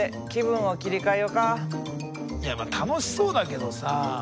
いやまあ楽しそうだけどさ。